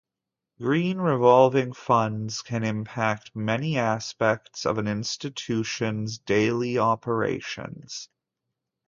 Green revolving funds can impact many aspects of an institution's daily operations.